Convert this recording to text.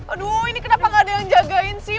aduh ini kenapa gak ada yang jagain sih